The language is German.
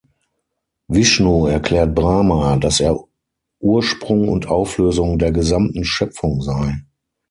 Vishnu erklärt Brahma, dass er Ursprung und Auflösung der gesamten Schöpfung sei.